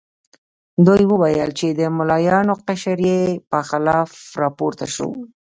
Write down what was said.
دوی وویل چې د ملایانو قشر یې په خلاف راپورته شو.